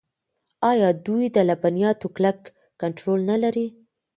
آیا دوی د لبنیاتو کلک کنټرول نلري؟